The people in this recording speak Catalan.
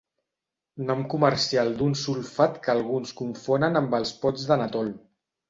Nom comercial d'un sulfat que alguns confonen amb els pots de Netol.